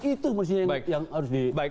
itu yang harus di